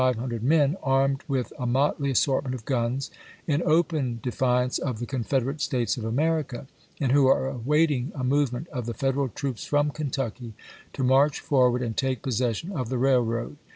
Carter County, some 1200 or 1500 men, armed with a motley assortment of guns, in open defiance of the Confederate States of America, and who are await ing a movement of the Federal troops from Ken tucky to march forward and take possession of the railroad.